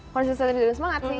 konsistensi dan semangat sih